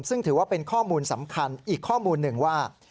ซึ่งถือว่าเป็นข้อมูลสำคัญอีกข้อมูลหนึ่งว่า